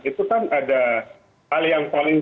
itu kan ada hal yang paling